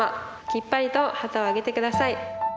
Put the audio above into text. きっぱりと旗を上げて下さい。